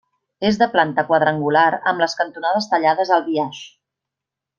És de planta quadrangular amb les cantonades tallades al biaix.